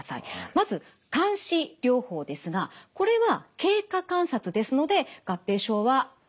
まず監視療法ですがこれは経過観察ですので合併症はありません。